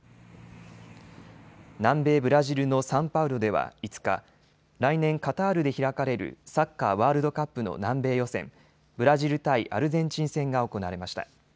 南米ブラジルのサンパウロでは５日、来年カタールで開かれるサッカーワールドカップの南米予選、ブラジル対アルゼンチン戦が行われました。